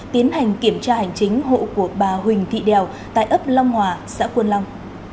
tiến hành kiểm tra hành chính hộ của bà huỳnh thị đèo tại ấp long hòa xã quân long